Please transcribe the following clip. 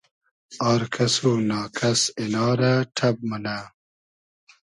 آر کئس و نا کئس اینا رۂ ݖئب مونۂ